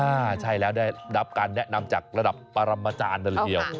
ใช่แล้วได้รับการแนะนำจากระดับปรมาจารย์เลยทีเดียว